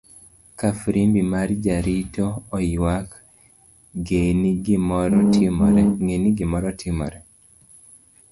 Kafirimbi mar jarito oywak ngeni gimoro timore.